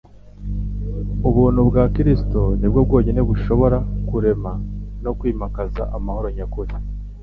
Ubuntu bwa Kristo nibwo bwonyine bushobora kurema no kwimakaza amahoro nyakuri.